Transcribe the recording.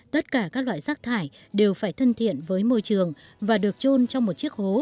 tất cả các loại rác thải đều phải thân thiện với môi trường và được trôn trong một chiếc hố